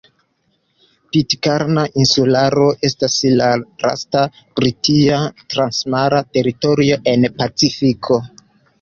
Pitkarna Insularo estas la lasta britia transmara teritorio en Pacifiko.